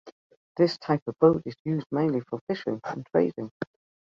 This type of boat is used mainly for fishing and trading.